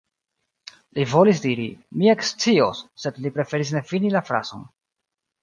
Li volis diri: „mi ekscios“, sed li preferis ne fini la frazon.